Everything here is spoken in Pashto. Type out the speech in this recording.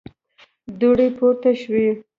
دوړې پورته شوې.